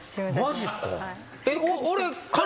マジか。